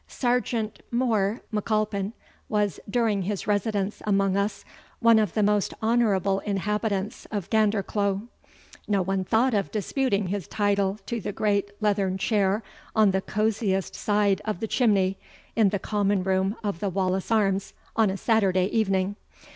Sergeant More M'Alpin was, during his residence among us, one of the most honoured inhabitants of Gandercleugh. No one thought of disputing his title to the great leathern chair on the "cosiest side of the chimney," in the common room of the Wallace Arms, on a Saturday evening.